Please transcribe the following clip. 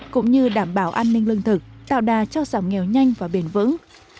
cũng như đảm bảo an ninh lương thực tạo đà cho giảm nghèo nhanh và bền vững